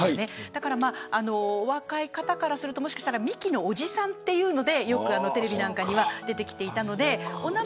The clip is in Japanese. だから、お若い方からするとミキのおじさんというのでテレビには出てきていたので。